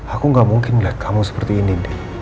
aku gak mungkin liat kamu seperti ini